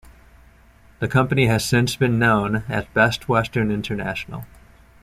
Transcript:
The company has since been known as Best Western International.